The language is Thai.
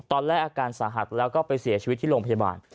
อาการสาหัสแล้วก็ไปเสียชีวิตที่โรงพยาบาล